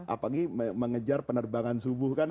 apalagi mengejar penerbangan subuh kan